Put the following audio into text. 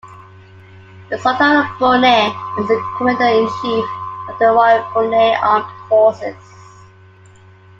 The Sultan of Brunei is the Commander-in-Chief of the Royal Brunei Armed Forces.